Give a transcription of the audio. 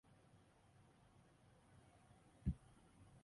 她的声音好高兴